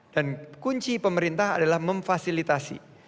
dan kunci pemerintah adalah memfasilitasi